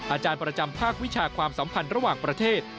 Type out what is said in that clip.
อาจารย์ประจำภาควิชาความสัมพันธ์ระหว่างประเทศ